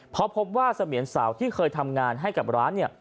เพราะพบว่าเสมียนสาวที่เคยทำงานให้กับร้านเนี่ย